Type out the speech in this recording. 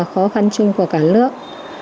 khó khăn chung của cả nước